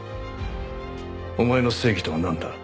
お前の正義とはなんだ？